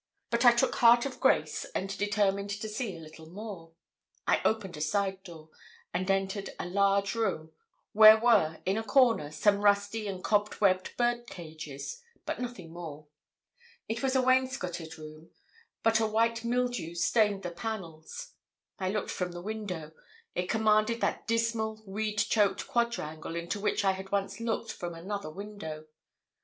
But I took heart of grace and determined to see a little more. I opened a side door, and entered a large room, where were, in a corner, some rusty and cobwebbed bird cages, but nothing more. It was a wainscoted room, but a white mildew stained the panels. I looked from the window: it commanded that dismal, weed choked quadrangle into which I had once looked from another window.